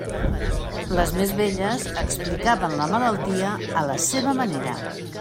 Les més velles explicaven la malaltia a la seua manera.